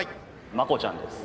魔虎ちゃんです。